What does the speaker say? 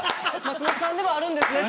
松本さんでもあるんですね